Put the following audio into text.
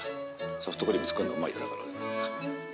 ソフトクリーム作るのはうまいよだから俺は。